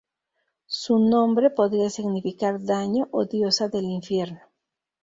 Su nombre podría significar "daño" o "diosa del infierno".